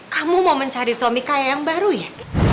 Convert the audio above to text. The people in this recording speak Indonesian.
kamu mau mencari suami kaya yang baru ya